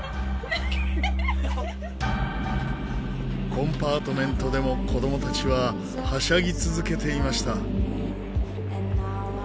コンパートメントでも子どもたちははしゃぎ続けていました。